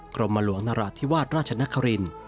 กรมหลวงนราธิวาสราชนคริน